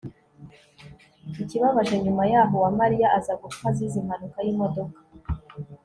ikibabaje nyuma yaho, uwamariya aza gupfa azize impanuka y'imodoka